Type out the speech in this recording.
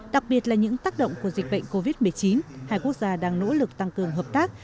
đặc biệt là những tác động của dịch bệnh covid một mươi chín hai quốc gia đang nỗ lực tăng cường hợp tác